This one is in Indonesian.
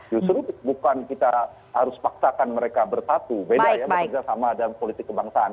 justru bukan kita harus paksakan mereka bersatu beda ya bekerja sama dalam politik kebangsaan